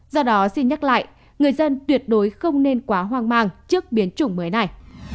do đó xin nhắc lại người dân tuyệt đối không nên quá hoang mang trước biến chủng mới này